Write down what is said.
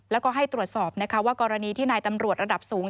แล้วก็ให้ตรวจสอบนะคะว่ากรณีที่นายตำรวจระดับสูง